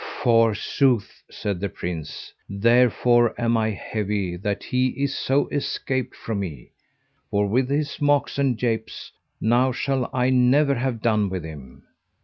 Forsooth, said the prince, therefore am I heavy that he is so escaped from me, for with his mocks and japes now shall I never have done with him.